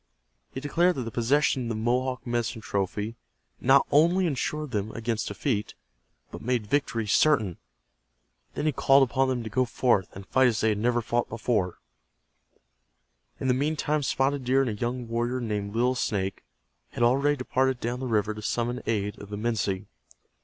He declared that the possession of the Mohawk medicine trophy not only insured them against defeat, but made victory certain. Then he called upon them to go forth, and fight as they had never fought before. In the meantime Spotted Deer and a young warrior named Little Snake had already departed down the river to summon aid of the Minsi.